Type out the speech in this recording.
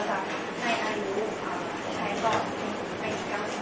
แต่ขอโทษให้มี